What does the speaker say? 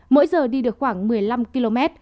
mỗi giờ đi được khoảng một mươi năm km